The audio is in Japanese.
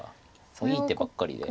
もういい手ばっかりで。